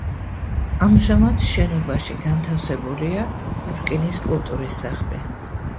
ამჟამად შენობაში განთავსებულია პუშკინის კულტურის სახლი.